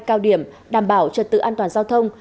cao điểm đảm bảo trật tự an toàn giao thông